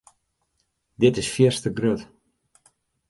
Dit is fierste grut.